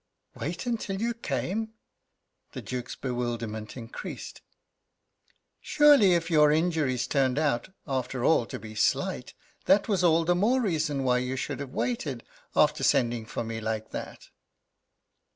"Wait until you came?" The Duke's bewilderment increased. "Surely, if your injuries turned out, after all, to be slight, that was all the more reason why you should have waited, after sending for me like that."